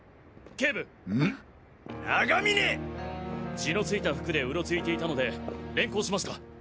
血のついた服でうろついていたので連行しました！